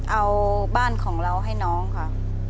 เอาบ้านของเราให้น้องค่ะ